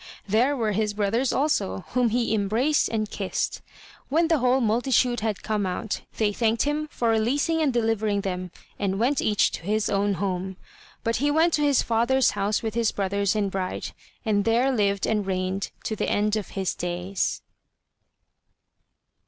there were his brothers also, whom he embraced and kissed. When the whole multitude had come out, they thanked him for releasing and delivering them, and went each to his own home. But he went to his father's house with his brothers and bride, and there lived and reigned to the end of his days.